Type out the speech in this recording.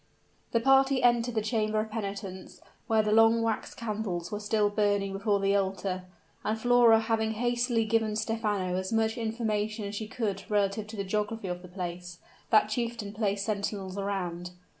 The party entered the chamber of penitence, where the long wax candles were still burning before the altar; and Flora having hastily given Stephano as much information as she could relative to the geography of the place, that chieftain placed sentinels around.